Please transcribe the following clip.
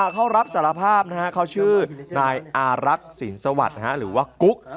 เขารับสารภาพเขาชื่อนายอารักษ์สินสวัสดิ์หรือว่ากุ๊ก